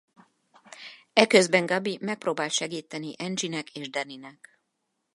Eközben Gaby megpróbál segíteni Angie-nek és Danny-nek.